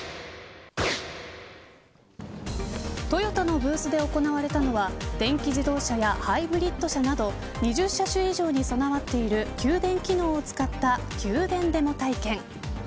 トヨタのブースで行われたのは電気自動車やハイブリッド車など２０車種以上に備わっている給電機能を使った給電デモ体験。